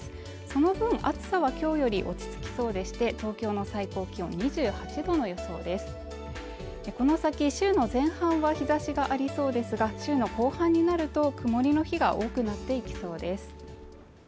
その分暑さは今日より落ち着きそうでして東京の最高気温２８度の予想ですでこの先週の前半は日差しがありそうですが週の後半になると曇りの日が多くなっていきそうです